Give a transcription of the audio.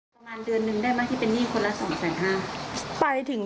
ประมาณเดือนนึงได้ไหมที่เป็นหนี้คนละสองแสนห้าไปถึง